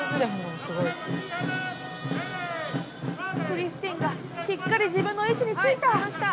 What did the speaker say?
クリスティンがしっかり自分の位置についた。